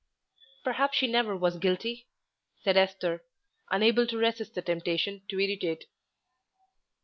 "Perhaps she never was guilty," said Esther, unable to resist the temptation to irritate.